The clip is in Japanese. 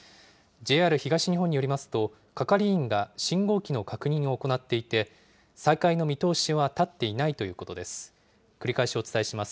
ＪＲ東日本によりますと、係員が信号機の確認を行っていて、再開の見通しは立っていないということです。